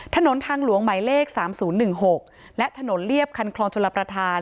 ถนนทางหลวงหมายเลข๓๐๑๖และถนนเรียบคันคลองชลประธาน